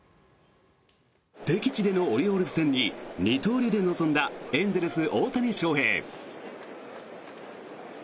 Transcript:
敵地でのオリオールズ戦に二刀流で臨んだエンゼルス、大谷翔平。